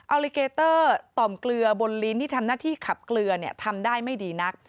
ลิเกเตอร์ต่อมเกลือบนลิ้นที่ทำหน้าที่ขับเกลือทำได้ไม่ดีนัก